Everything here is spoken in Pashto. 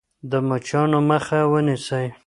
د مچانو مخه ونیسئ.